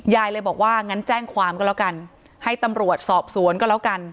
ยายเลยบอกว่างั้นแจ้งความก็แล้วกันให้ตำรวจสอบสวนก็แล้วกัน